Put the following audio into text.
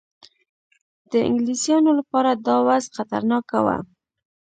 د انګلیسیانو لپاره دا وضع خطرناکه وه.